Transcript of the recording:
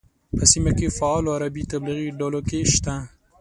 په سیمه کې فعالو عربي تبلیغي ډلو کې شته.